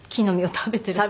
食べてるの？